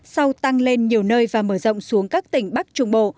sau tăng lên nhiều nơi và mở rộng xuống các tỉnh bắc trung bộ